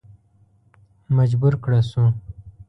مجبور کړه شو.